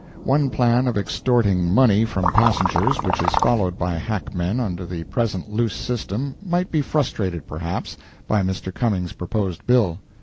One plan of extorting money from passengers, which is followed by hackmen under the present loose system, might be frustrated, perhaps, by Mr. Cummings' proposed bill.